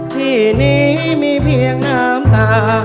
ที่นี้มีเพียงน้ำตา